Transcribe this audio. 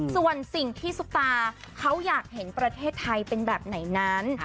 ส่วนสิ่งที่ซุปตาเขาอยากเห็นประเทศไทยเป็นแบบไหนนั้น